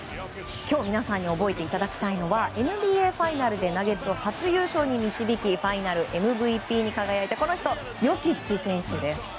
今日皆さんに覚えていただきたいのはＮＢＡファイナルでナゲッツを初優勝に導きファイナルＭＶＰに輝いたこの人、ヨキッチ選手です。